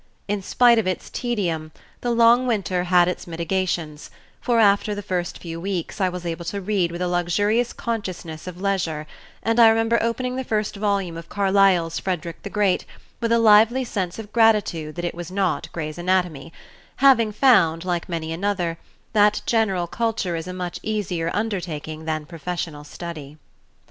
In spite of its tedium, the long winter had its mitigations, for after the first few weeks I was able to read with a luxurious consciousness of leisure, and I remember opening the first volume of Carlyle's "Frederick the Great" with a lively sense of gratitude that it was not Gray's "Anatomy," having found, like many another, that general culture is a much easier undertaking than professional study.